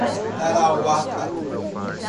Tarauacá